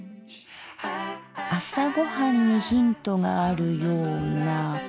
朝ごはんにヒントがあるような。